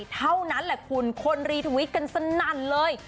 เท่านั้นแหละคุณคนรีทวิตกันสนั่นเลย